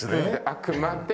あくまで。